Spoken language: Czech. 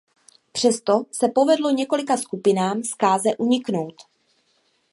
Přesto se povedlo několika skupinám zkáze uniknout.